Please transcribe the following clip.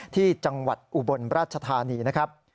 ที่จังหวัดอุบลราชธานีนะครับ